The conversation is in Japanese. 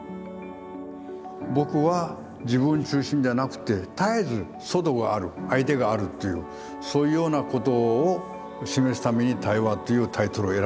僕は自分中心じゃなくて絶えず外がある相手があるというそういうようなことを示すために「対話」というタイトルを選んだんです。